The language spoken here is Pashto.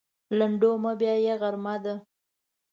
لنډو مه بیایه غرمه ده.